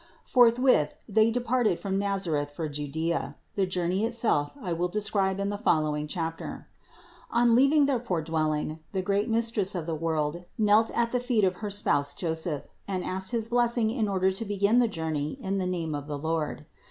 Forthwith they departed from Nazareth for Judea ; the journey itself I will describe in the following chapter. On leaving their poor dwelling the great Mistress of the world knelt at the feet of her THE INCARNATION 159 spouse Joseph and asked his blessing in order to begin the journey in the name of the Lord.